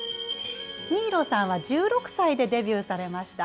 新納さんは１６歳でデビューされました。